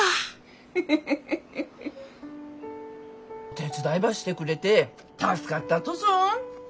手伝いばしてくれて助かったとぞ。